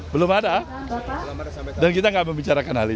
belum ada dan kita nggak membicarakan hal ini